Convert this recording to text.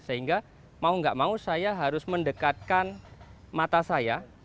sehingga mau gak mau saya harus mendekatkan mata saya